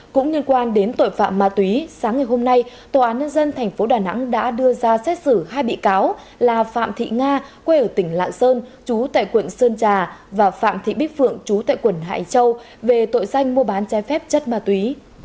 cũng liên quan đến tội phạm ma túy sáng ngày hôm nay tòa án nhân dân tp đà nẵng đã đưa ra xét xử hai bị cáo là phạm thị nga quê ở tỉnh lạng sơn chú tại quận sơn trà và phạm thị bích phượng chú tại quận hải châu về tội danh mua bán trái phép chất ma túy